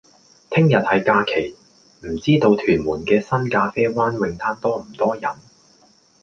聽日係假期，唔知道屯門嘅新咖啡灣泳灘多唔多人？